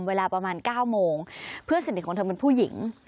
เวลาประมาณ๙โมงเพื่อนสนิทของเธอเป็นผู้หญิง